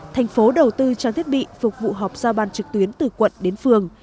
thành phố đầu tư trang thiết bị phục vụ họp giao ban trực tuyến từ quận đến phường